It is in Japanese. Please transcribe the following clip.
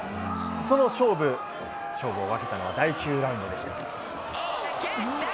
その勝負を分けたのは第９ラウンドでした。